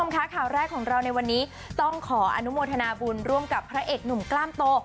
ค่ะข่าวแรกของเราในวันนี้ต้องขออนุโมทนาบุญร่วมกับพระเอกหนุ่มกล้ามโต